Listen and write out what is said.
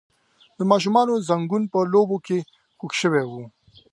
د ماشوم زنګون په لوبو کې خوږ شوی و.